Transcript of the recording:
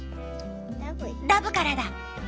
ダブからだ。